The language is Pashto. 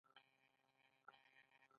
مثلاً د ټولنې لس سلنه یې پانګواله طبقه ده